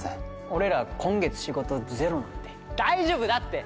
俺ら今月仕事ゼロなんで大丈夫だって！